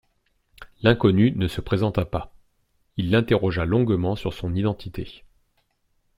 L’inconnu ne se présenta pas. Il l’interrogea longuement sur son identité.